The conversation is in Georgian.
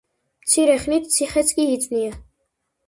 მცირე ხნით ციხეც კი იწვნია.